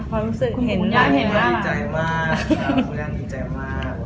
คุณย่าง่ายใจมาก